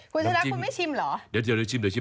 กุชะนะคุณไม่ชิมเหรอ